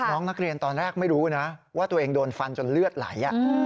น้องนักเรียนตอนแรกไม่รู้นะว่าตัวเองโดนฟันจนเลือดไหล